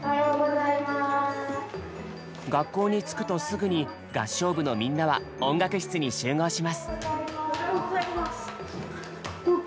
学校に着くとすぐに合唱部のみんなは音楽室に集合します。